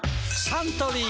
サントリー